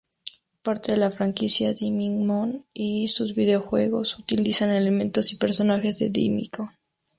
Parte de la franquicia "Digimon" y sus videojuegos, utilizan elementos y personajes de "Digimon".